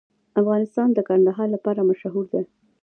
افغانستان د کندهار لپاره مشهور دی.